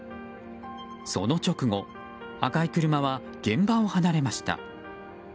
その直後赤い車は現場を離れました。